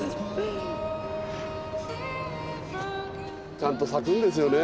ちゃんと咲くんですよね